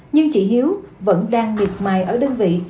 nhưng chị hiếu vẫn đang miệt mài ở đơn vị